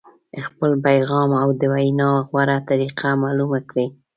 خپل پیغام او د وینا غوره طریقه معلومه کړئ.